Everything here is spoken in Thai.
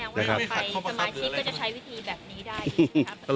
พอไปสมาชิกก็จะใช้จะวิธีแบบนี้ได้นะครับ